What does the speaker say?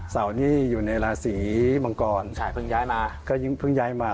เสาร์นี้อยู่ในราศีมังกรเพิ่งย้ายมาก็เพิ่งย้ายมา